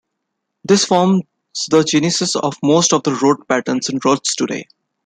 This forms the genesis of most of the road patterns in Rothes today.